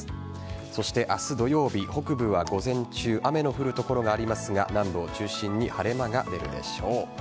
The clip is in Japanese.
そして、明日土曜日北部は午前中雨の降る所がありますが南部を中心に晴れ間が出るでしょう。